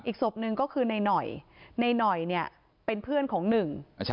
อีกศพนึงก็คือหน่อยนี่เป็นเพื่อนของหนึ่ง